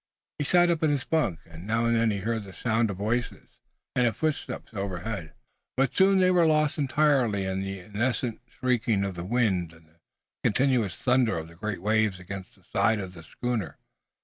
He sat up in his bunk, and now and then he heard the sound of voices and of footsteps overhead, but soon they were lost entirely in the incessant shrieking of the wind and the continuous thunder of the great waves against the side of the schooner.